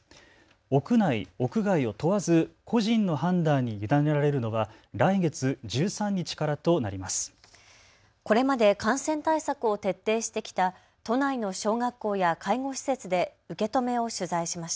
屋内・屋外を問わず個人の判断に委ねられるのは来月１３日からとなります。